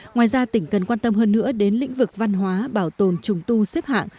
ngoài ra tỉnh cần quan tâm hơn nữa đến lĩnh vực văn hóa bảo tồn trùng tu xếp hạng